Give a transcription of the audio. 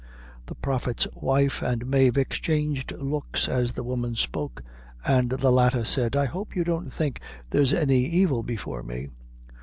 The prophet's wife and Mave exchanged looks as the woman spoke: and the latter said: "I hope you don't think there's any evil before me."